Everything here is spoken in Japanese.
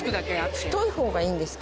太い方がいいんですか？